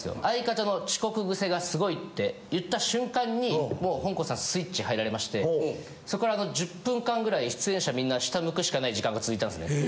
相方の遅刻グセがすごいって言った瞬間にもうほんこんさんスイッチ入られましてそっから１０分間ぐらい出演者みんな下向くしかない時間が続いたんですね。